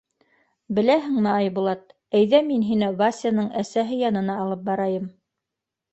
Беләһеңме, Айбулат, әйҙә, мин һине Васяның әсәһе янына алып барайым.